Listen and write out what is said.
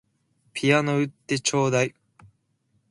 ピアノ売ってちょうだい